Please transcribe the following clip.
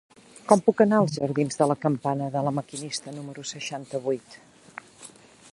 Com puc anar als jardins de la Campana de La Maquinista número seixanta-vuit?